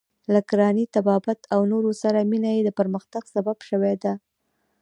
له کرانې، طبابت او نورو سره مینه یې د پرمختګ سبب شوې ده.